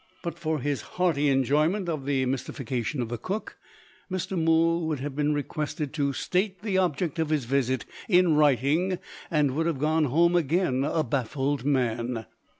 But for his hearty enjoyment of the mystification of the cook, Mr. Mool would have been requested to state the object of his visit in writing, and would have gone home again a baffled man.